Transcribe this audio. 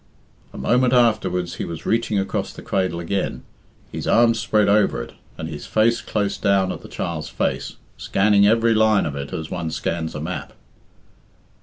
A moment afterwards he was reaching across the cradle again, his arms spread over it, and his face close down at the child's face, scanning every line of it as one scans a map.